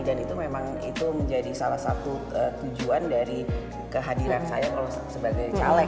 dan itu memang itu menjadi salah satu tujuan dari kehadiran saya kalau sebagai caleg